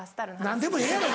何でもええやろ！